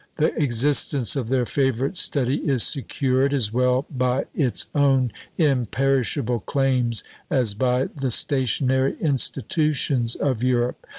The existence of their favourite study is secured, as well by its own imperishable claims, as by the stationary institutions of Europe.